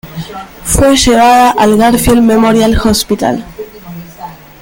Fue llevada al Garfield Memorial Hospital.